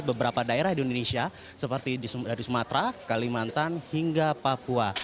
beberapa daerah di indonesia seperti dari sumatera kalimantan hingga papua